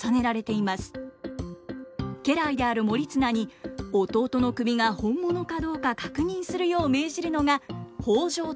家来である盛綱に弟の首が本物かどうか確認するよう命じるのが北条時政。